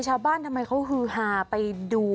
ชาวบ้านทำไมเขาฮือหาไปดู